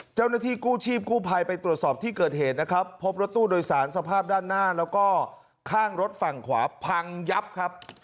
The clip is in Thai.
เจ้าหน้าที่กู้ชีพกู้ภัยไปตรวจสอบที่เกิดเหตุนะครับพบรถตู้โดยสารสภาพด้านหน้าแล้วก็ข้างรถฝั่งขวาพังยับครับ